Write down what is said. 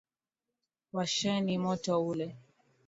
Washeni moto ule.